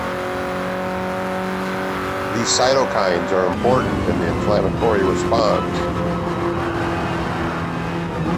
These cytokines are important in the inflammatory response.